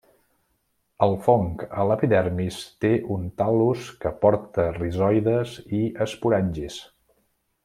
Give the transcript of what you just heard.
El fong a l'epidermis té un tal·lus que porta rizoides i esporangis.